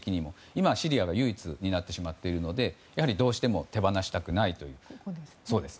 今はシリアが唯一になってしまっているのでどうしても手放したくないという。